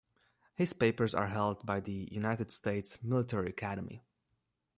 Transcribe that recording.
His papers are held by the United States Military Academy.